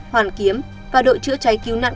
hoàn kiếm và đội chữa cháy cứu nạn